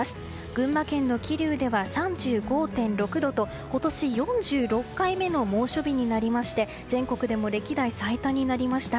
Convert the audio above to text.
群馬県の桐生では３５．６度と今年４６回目の猛暑日になり全国でも歴代最多になりました。